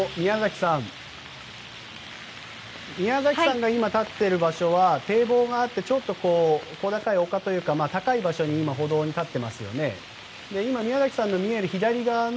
宮崎さんが今、立っている場所は堤防があってちょっと小高い丘というか高い場所の歩道に今、立っていますよね。